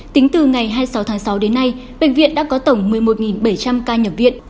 tính từ ngày hai mươi sáu tháng sáu đến nay bệnh viện đã có tổng một mươi một bảy trăm linh ca nhập viện